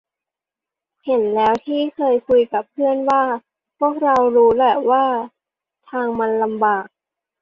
เห็นแล้วที่เคยคุยกับเพื่อนว่า พวกเรารู้แหละว่าทางมันลำบาก